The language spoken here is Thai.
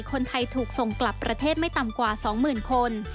คนไทยถูกส่งกลับประเทศไม่ต่ำกว่า๒๐๐๐คน